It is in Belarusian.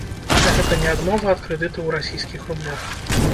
Гэта не адмова ад крэдыту ў расійскіх рублях.